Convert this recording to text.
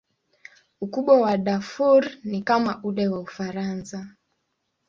Ukubwa wa Darfur ni kama ule wa Ufaransa.